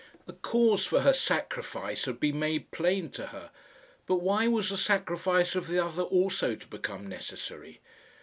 The cause for her sacrifice had been made plain to her, but why was the sacrifice of the other also to become necessary?